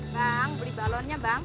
bang beli balonnya bang